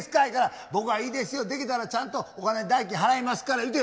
言うから僕は「いいですよ出来たらちゃんとお金代金払いますから」